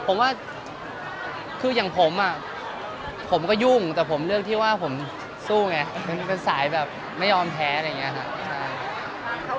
ผมว่าคืออย่างผมผมก็ยุ่งแต่ผมเลือกที่ว่าผมสู้ไงมันเป็นสายแบบไม่ยอมแพ้อะไรอย่างนี้ครับ